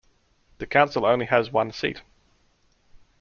The council only has one seat.